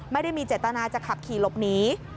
ไม่ได้มีเจตนาจะขับขี่หลบหนี